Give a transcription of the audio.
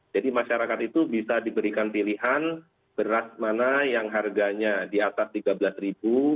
jadi masyarakat itu bisa diberikan pilihan beras mana yang harganya di atas tiga belas ribu